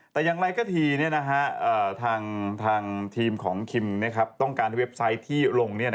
แต่อย่างไรก็ทีทางทีมของคิมต้องการเว็บไซต์ที่ลง